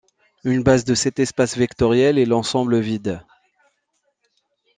Une base de cet espace vectoriel est l'ensemble vide, ∅={}.